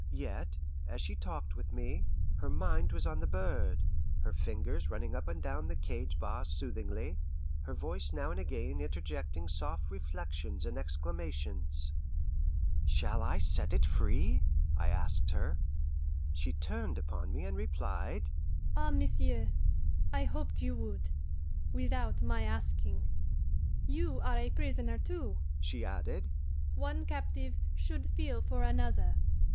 Yet, as she talked with me, her mind was on the bird, her fingers running up and down the cage bars soothingly, her voice now and again interjecting soft reflections and exclamations. "Shall I set it free?" I asked her. She turned upon me and replied, "Ah, monsieur, I hoped you would without my asking. You are a prisoner too," she added; "one captive should feel for another."